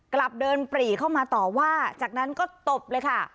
กลับเดินปรีเข้ามาต่อว่าจากนั้นก็ตบเลยค่ะ